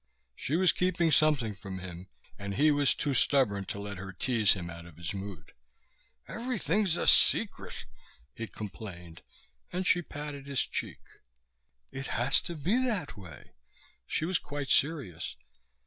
She was keeping something from him, and he was too stubborn to let her tease him out of his mood. "Everything's a secret," he complained, and she patted his cheek. "It has to be that way." She was quite serious.